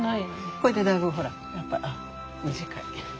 これでだいぶほらやっぱ短い。